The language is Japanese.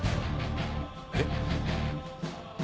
えっ？